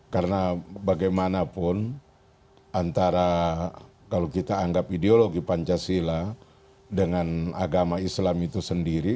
karena bagaimanapun antara kalau kita anggap ideologi pancasila dengan agama islam itu sendiri